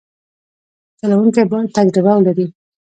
چلوونکی باید تجربه ولري.